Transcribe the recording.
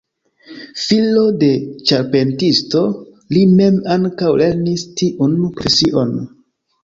Filo de ĉarpentisto, li mem ankaŭ lernis tiun profesion.